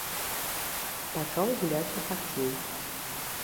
Пачаў гуляць у хакей.